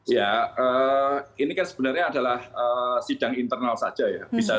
ya ini kan sebenarnya adalah sidang internal saja ya